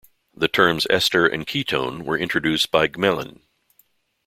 The terms Ester and Ketone were introduced by Gmelin.